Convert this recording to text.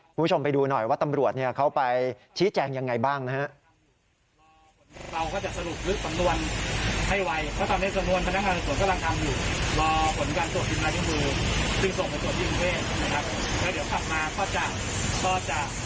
คุณผู้ชมไปดูหน่อยว่าตำรวจเขาไปชี้แจงยังไงบ้างนะฮะ